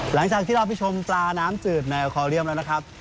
หลังจากที่เราไปชมปลาน้ำจืดแนวคอเรียมแล้วนะครับ